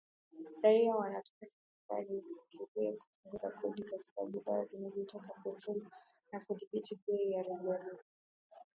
raia wanataka serikali ifikirie kupunguza kodi katika bidhaa zinazotokana na petroli na kudhibiti bei za rejareja